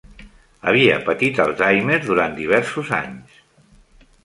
Havia patit alzheimer durant diversos anys.